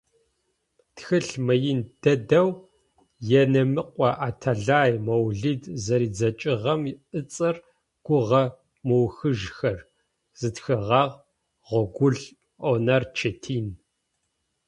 Тхылъ мыин дэдэу Енэмыкъо Аталай Моулид зэридзэкӏыгъэм ыцӏэр «Гугъэ мыухыжьхэр», зытхыгъэр Гъогулӏ Онэр Четин.